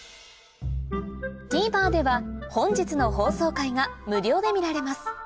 ＴＶｅｒでは本日の放送回が無料で見られます